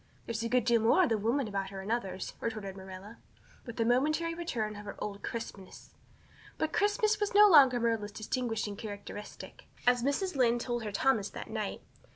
"There's a good deal more of the woman about her in others," retorted Marilla, with a momentary return of her old crispness. But crispness was no longer Marilla's distinguishing characteristic. As Mrs. Lynde told her Thomas that night.